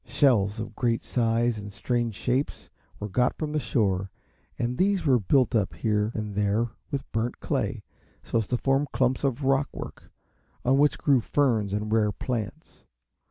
Shells of great size and strange shapes were got from the shore, and these we built up here and there with burnt clay, so as to form clumps of rock work, on which grew ferns and rare plants.